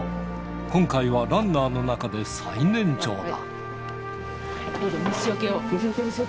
今回はランナーの中で最年長だ。